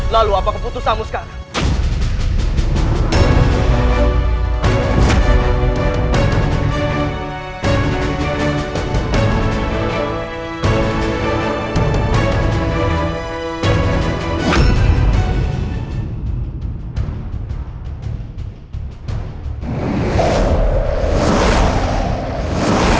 lalu apakah putusamu sekarang